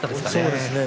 そうですね。